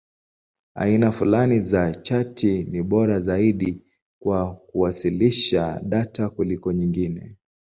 Aina fulani za chati ni bora zaidi kwa kuwasilisha data kuliko nyingine.